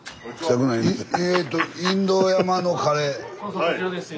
・そうそうこちらですよ。